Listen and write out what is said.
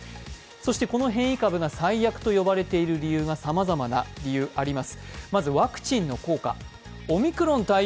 この変異株が最悪と呼ばれているさまざまな理由があります。